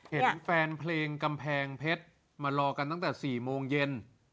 เห็นแฟนเพลงกำแพงเพชรมารอกันตั้งแต่๔โมงเย็น